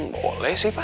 boleh sih pa